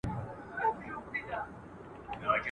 اوس اِمارت دی چي څه به کیږي !.